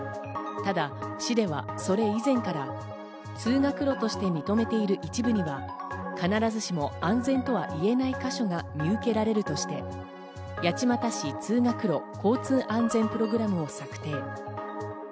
ただ市では、それ以前から通学路として認めている一部には必ずしも安全とはいえない箇所が見受けられるとして、八街市通学路交通安全プログラムを策定。